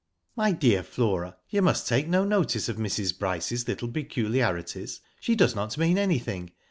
*' My dear Flora, you must take no notice of Mrs. Bryce's little peculiarities. She does not mean anything.